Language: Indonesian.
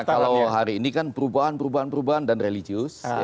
iya karena kalau hari ini kan perubahan perubahan dan religius